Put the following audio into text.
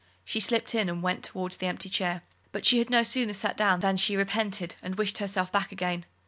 She slipped in and went towards the empty chair. But she had no sooner sat down than she repented, and wished herself back again.